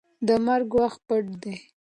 د مرګ وخت پټ دی.